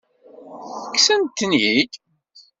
Kksent-ten-id?